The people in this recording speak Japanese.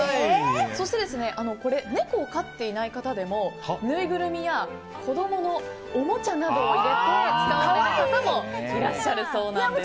そして、猫を飼っていない方でもぬいぐるみや子供のおもちゃなどを入れて使う方もいらっしゃるそうです。